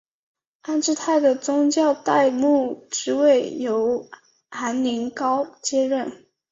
安治泰的宗座代牧职位由韩宁镐接任。